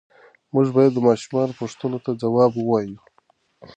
موږ باید د ماشومانو پوښتنو ته ځواب ووایو.